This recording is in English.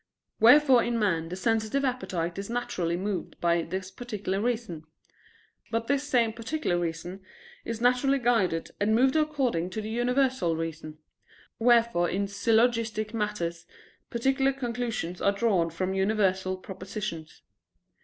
Wherefore in man the sensitive appetite is naturally moved by this particular reason. But this same particular reason is naturally guided and moved according to the universal reason: wherefore in syllogistic matters particular conclusions are drawn from universal propositions.